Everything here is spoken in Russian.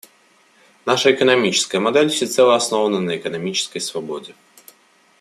Наша экономическая модель всецело основана на экономической свободе.